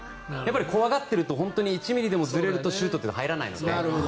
怖がっていると１ｍｍでもずれるとシュートって入らないので。